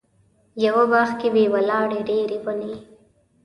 یوه باغ کې وې ولاړې ډېرې ونې.